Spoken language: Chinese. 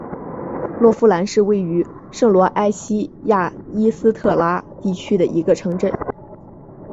洛夫兰是位于克罗埃西亚伊斯特拉地区的一个城镇。